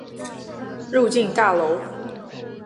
入境大楼